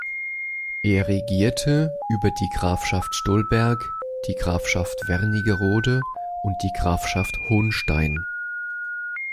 Er regierte über die Grafschaft Stolberg, die Grafschaft Wernigerode und die Grafschaft Hohnstein.